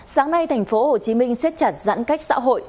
sáng nay tp hcm xếp chặt giãn cách xã hội